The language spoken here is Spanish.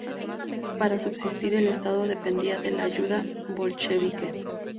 Para subsistir el Estado dependía de la ayuda bolchevique.